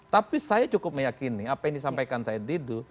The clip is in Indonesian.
tapi saya cukup meyakini apa yang disampaikan said didu